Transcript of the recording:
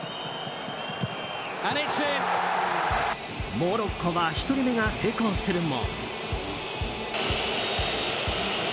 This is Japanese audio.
モロッコは１人目が成功するも。